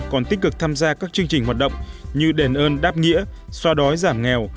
còn tích cực tham gia các chương trình hoạt động như đền ơn đáp nghĩa xoa đói giảm nghèo